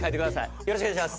よろしくお願いします。